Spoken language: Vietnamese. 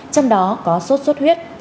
trong đó có sốt xuất huyết